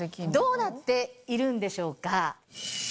どうなっているんでしょうか？